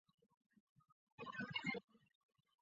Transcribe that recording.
桥式底盘和箱形结构形成一个自承式的单元。